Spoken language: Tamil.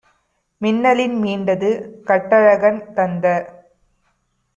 மின்னலின் மீண்டது! கட்டழகன் - தந்த